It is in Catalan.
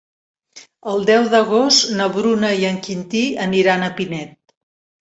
El deu d'agost na Bruna i en Quintí aniran a Pinet.